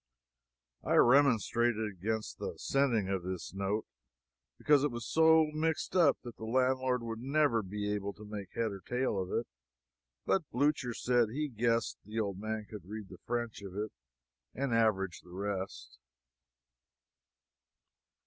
I remonstrated against the sending of this note, because it was so mixed up that the landlord would never be able to make head or tail of it; but Blucher said he guessed the old man could read the French of it and average the rest.